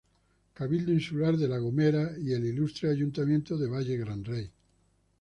Cabildo Insular de La Gomera y el Ilustre Ayuntamiento de Valle Gran Rey.